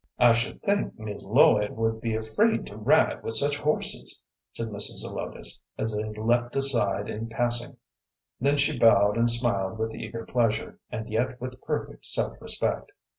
"I should think Mis' Lloyd would be afraid to ride with such horses," said Mrs. Zelotes, as they leaped aside in passing; then she bowed and smiled with eager pleasure, and yet with perfect self respect.